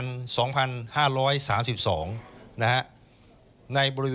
ในบริเวณนี้นะครับ